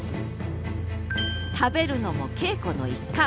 食べるのも稽古の一環。